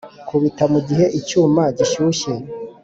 kubita mugihe icyuma gishyushye